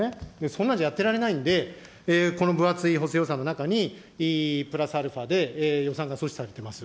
そんなんじゃやってられないんで、この分厚い補正予算の中に、プラスアルファで予算が措置されています。